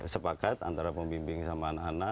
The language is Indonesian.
sepakat antara pembimbing sama anak anak